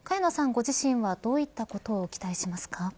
ご自身はどういったことを期待しますか。